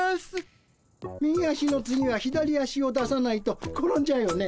「右足の次は左足を出さないと転んじゃうよね」